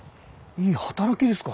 いい働きですか？